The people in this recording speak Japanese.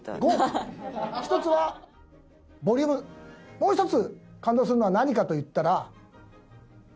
もう一つ感動するのは何かといったら。